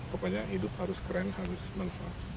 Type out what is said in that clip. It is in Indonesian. pokoknya hidup harus keren harus manfaat